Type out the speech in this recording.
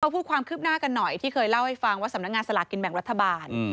พูดความคืบหน้ากันหน่อยที่เคยเล่าให้ฟังว่าสำนักงานสลากกินแบ่งรัฐบาล